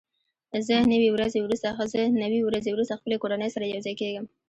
زه نوي ورځې وروسته خپلې کورنۍ سره یوځای کېږم.